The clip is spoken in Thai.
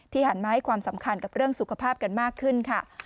หันมาให้ความสำคัญกับเรื่องสุขภาพกันมากขึ้นค่ะ